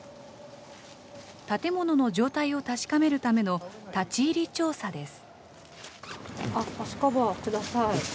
建物の状態を確かめるための立ち入り調査です。